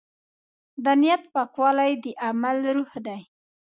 د نیت پاکوالی د عمل روح دی.